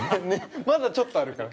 ◆まだちょっとあるから。